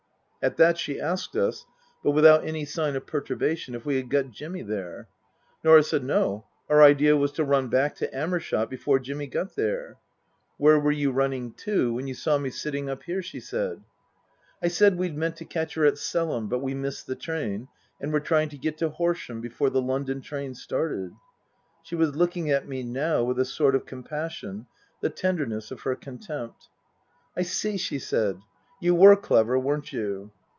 At that she asked us (but without any sign of perturba tion) if we had got Jimmy there ? Norah said No, our idea was to run back to Amershott before Jimmy got there. " Where were you running to when you saw me sitting up here ?" she said. I said we'd meant to catch her at Selham but we missed the train and were trying to get to Horsham before the London train started. She was looking at me now with a sort of compassion, the tenderness of her contempt. " I see," she said. " You were clever, weren't you